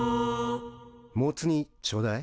モツ煮ちょうだい。